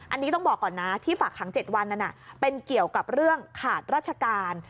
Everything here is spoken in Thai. อันนี้ต้องบอกก่อนนะที่ฝากขัง๗วันนั้นเป็นเกี่ยวกับเรื่องขาดราชการ